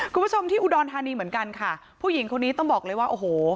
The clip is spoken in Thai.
คุณผู้ชมที่อุดรธานีเหมือนกันค่ะผู้หญิงคนนี้ต้องบอกเลยว่าโอ้โห